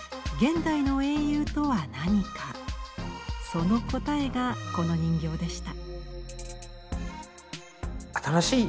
その答えがこの人形でした。